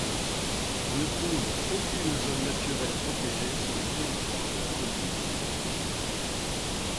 On ne trouve aucune zone naturelle protégée sur le territoire de la commune.